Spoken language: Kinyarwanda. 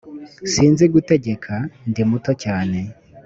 sinzi gutegeka ndi muto cyane